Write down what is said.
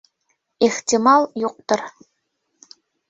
Ихтимал, юҡтыр.